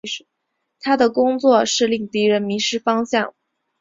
他的工作是令敌人迷失方向。